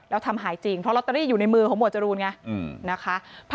แล้วทำหายจริงเพราะลอตเตอรี่อยู่ในมือของหวดจรูนไงนะคะ